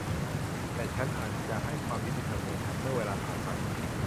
แต่ฉันอาจจะให้ความยุติธรรมแก่ฉันเมื่อเวลาผ่านไป